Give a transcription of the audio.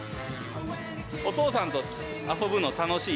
お父さんと遊ぶの楽しい？